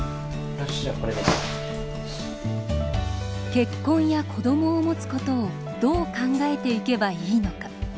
結婚や子どもを持つことをどう考えていけばいいのか。